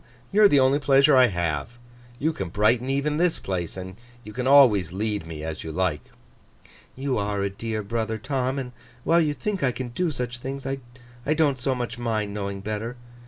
You are the only pleasure I have—you can brighten even this place—and you can always lead me as you like.' 'You are a dear brother, Tom; and while you think I can do such things, I don't so much mind knowing better.